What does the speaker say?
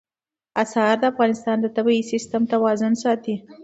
انار د افغانستان د طبعي سیسټم توازن ساتي.